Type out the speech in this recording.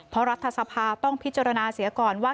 เพราะรัฐสภาต้องพิจารณาเสียก่อนว่า